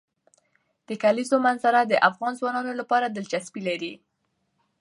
د کلیزو منظره د افغان ځوانانو لپاره دلچسپي لري.